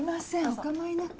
お構いなく。